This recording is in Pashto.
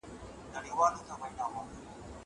دا سپينکۍ له هغه پاکه ده.